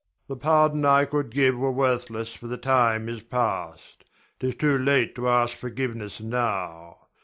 The pardon I could give were worthless for the time is past. 'Tis too late to ask forgiveness now.